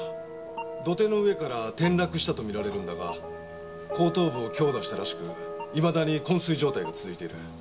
土手の上から転落したと見られるんだが後頭部を強打したらしくいまだにこん睡状態が続いている。